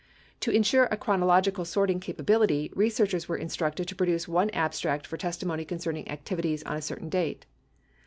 To insure a chronological sorting capability, researchers were instructed to produce one abstract for testimony concerning activities on a certain date.